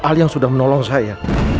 ahli yang sudah menolong saya